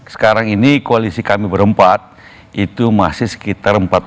sekarang ini koalisi kami berempat itu masih sekitar empat puluh